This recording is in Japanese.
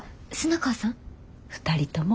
２人とも。